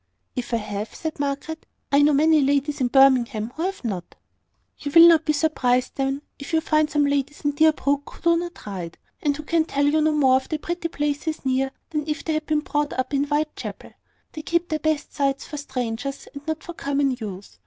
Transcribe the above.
"If I have," said Margaret, "I know many ladies in Birmingham who have not." "You will not be surprised, then, if you find some ladies in Deerbrook who do not ride, and who can tell you no more of the pretty places near than if they had been brought up in Whitechapel. They keep their best sights for strangers, and not for common use.